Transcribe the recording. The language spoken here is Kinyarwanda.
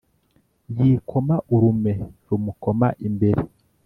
yikoma urume rumukoma imbere.